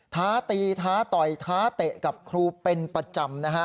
ท้าตีท้าต่อยท้าเตะกับครูเป็นประจำนะฮะ